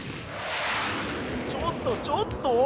ちょっとちょっと！